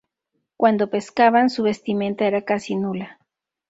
Cuando pescaban su vestimenta era casi nula.